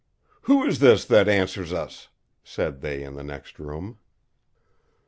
"Who is this that answers us?" said they in the next room.